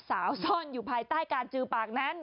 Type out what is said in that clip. ซ่อนอยู่ภายใต้การจือปากนั้น